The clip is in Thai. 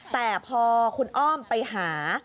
แต่พอคุณอ้อมไปหา